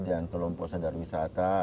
dan kelompok sadar wisata